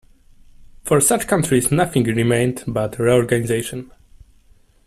For such countries nothing remained but reorganization.